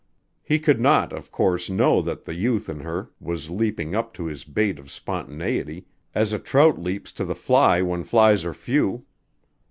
He could not, of course, know that the youth in her was leaping up to his bait of spontaneity as a trout leaps to the fly when flies are few.